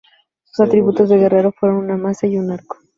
Sus atributos de guerrero fueron una maza y un arco.